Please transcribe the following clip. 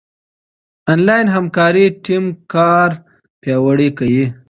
انلاين همکاري ټيم کار پياوړی کوي.